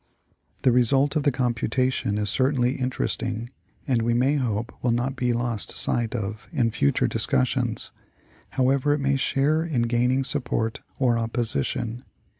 * The result of the computation is certainly interest ing and we may hope will not be lost sight of in future discus sions, however it may share in gaining support or opposition.